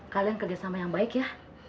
kalian kerja sama yang baik ya